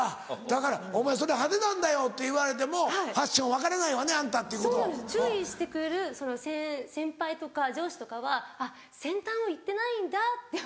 だから「お前それ派手なんだよ」って言われても「ファッションを分からないわねあんた」っていうこと？注意して来る先輩とか上司とかは先端を行ってないんだって思って。